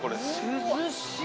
涼しい。